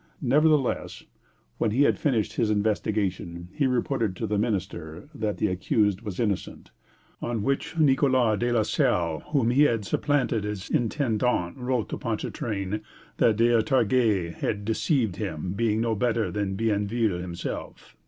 Nevertheless, when he had finished his investigation he reported to the minister that the accused was innocent; on which Nicolas de la Salle, whom he had supplanted as intendant, wrote to Ponchartrain that D'Artaguette had deceived him, being no better than Bienville himself.